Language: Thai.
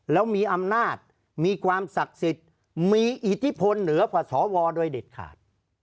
แล้วมีอำนาจมีความศักดิ์สิทธิ์มีอิทธิพลเหนือกว่าสวโดยเด็ดขาด